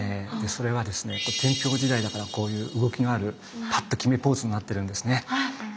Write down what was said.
それはですね天平時代だからこういう動きのあるパッと決めポーズになってるんですね。